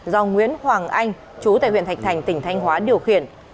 do nguyễn hoàng anh chú tại huyện thạch thành tỉnh thanh hóa điều khiển